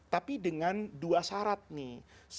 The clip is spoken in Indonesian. tapi dengan dua syarat nih